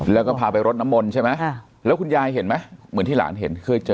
แล้วก็พาไปรดน้ำมนต์ใช่ไหมแล้วคุณยายเห็นไหมเหมือนที่หลานเห็นเคยเจอ